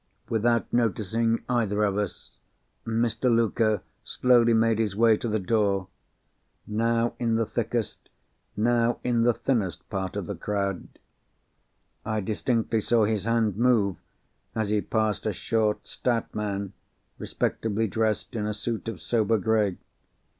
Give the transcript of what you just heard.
Without noticing either of us, Mr. Luker slowly made his way to the door—now in the thickest, now in the thinnest part of the crowd. I distinctly saw his hand move, as he passed a short, stout man, respectably dressed in a suit of sober grey.